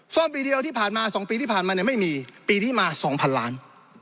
ซ่อมปีเดียวที่ผ่านมา๒ปีที่ผ่านมาเนี่ยไม่มีปีนี้มา๒๐๐ล้าน